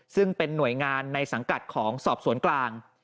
ซึ่งเป็นหน่วยงานในสังกัดของสอบสวนกลาง